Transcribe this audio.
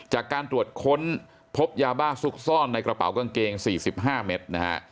จากการตรวจค้นพบยาบ้าซุกซ่อนในกระเป๋ากางเกง๔๕เมตรนะฮะ